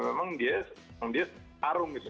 memang dia arung gitu